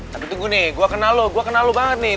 tapi tunggu nih gue kenal lo gue kenal lo banget nih